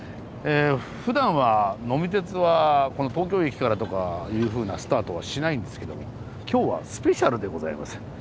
ふだんは「呑み鉄」はこの東京駅からとかいうふうなスタートはしないんですけども今日はスペシャルでございます。